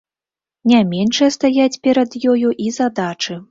Не меншыя стаяць перад ёю і задачы.